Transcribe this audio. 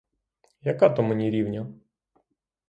Яка то мені рівня?